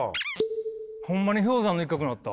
ホンマに氷山の一角になった。